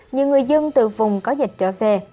như người dân từ vùng có dịch trở về